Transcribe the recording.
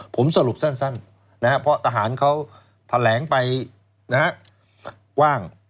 ผมสรุปสั้นเพราะทหารเขาแถลงไปกว้าง